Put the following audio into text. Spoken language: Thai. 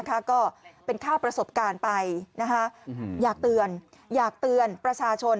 ก็เป็นค่าประสบการณ์ไปอยากเตือนอยากเตือนประชาชน